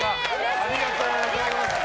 ありがとうございます。